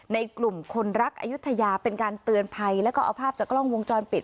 ในกลุ่มคนรักอายุทยาเป็นการเตือนภัยแล้วก็เอาภาพจากกล้องวงจรปิด